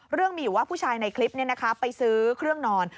เรื่องมีอยู่ว่าผู้ชายในคลิปไปซื้อเครื่องนอน